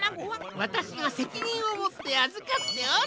わたしがせきにんをもってあずかっておる。